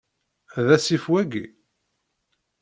D asif wayyi?